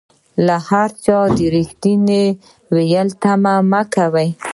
له هر چا د ريښتيا ويلو تمه مکوئ